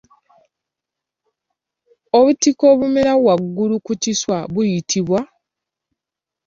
Obutiko obumera waggulu ku kiswa buyitibwa?